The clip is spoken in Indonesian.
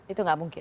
itu tidak mungkin